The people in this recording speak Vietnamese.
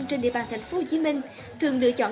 trên địa bàn tp hcm thường lựa chọn